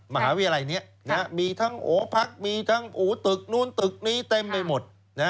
มหาวิทยาลัยนี้มีทั้งโอพักมีทั้งตึกนู้นตึกนี้เต็มไปหมด